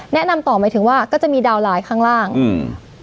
แนะนำต่อหมายถึงว่าก็จะมีดาวนไลน์ข้างล่างอืม